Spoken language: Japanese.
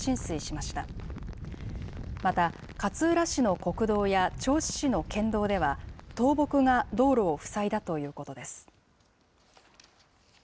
また、勝浦市の国道や、銚子市の県道では、倒木が道路を塞いだということです。